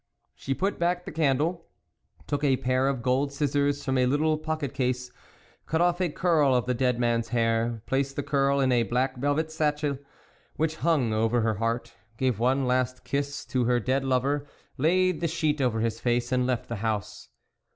She put back the candle, took a pair of gold scissors from a little pocket case, cut off a curl of the dead man's hair, placed the curl in a black velvet sachet which hung over her heart, gave one last kiss to her dead lover, laid the sheet over his face, and left the house.